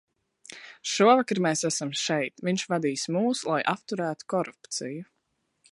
Šovakar mēs esam šeit, viņš vadīs mūs, lai apturētu korupciju.